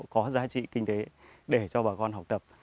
có giá trị kinh tế để cho bà con học tập